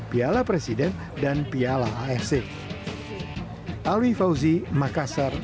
piala presiden dan piala afc